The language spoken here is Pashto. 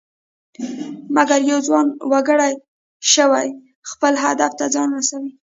مګر یو ځوان وکړى شوى خپل هدف ته ځان ورسوي.